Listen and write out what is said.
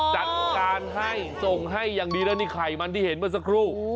จัดการให้ส่งให้อย่างดีแล้วนี่ไข่มันที่เห็นเมื่อสักครู่